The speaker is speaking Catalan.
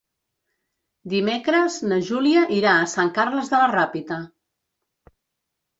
Dimecres na Júlia irà a Sant Carles de la Ràpita.